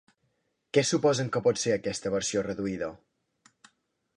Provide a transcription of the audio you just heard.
Què suposen que pot ser aquesta versió reduïda?